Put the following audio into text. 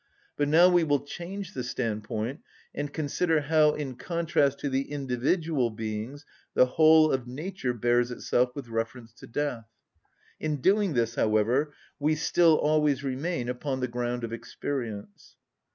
But now we will change the standpoint and consider how, in contrast to the individual beings, the whole of nature bears itself with reference to death. In doing this, however, we still always remain upon the ground of experience.